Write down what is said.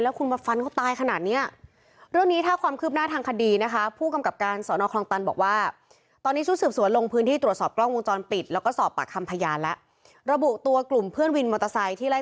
แล้วคุณมาฟันเขาตายขนาดเนี้ย